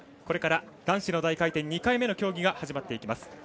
これから男子の大回転２回目の競技が始まっていきます。